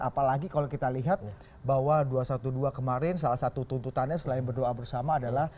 apalagi kalau kita lihat bahwa dua ratus dua belas kemarin salah satu tuntutannya selain berdoa bersama adalah